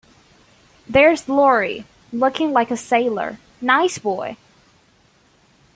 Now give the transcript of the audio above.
There's Laurie, looking like a sailor, — nice boy!